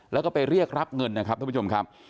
แล้วก็ไปเรียกรับเงินนะครับท่านผู้ชมครับ